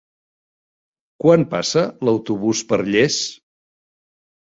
Quan passa l'autobús per Llers?